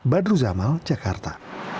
badru zamal jakarta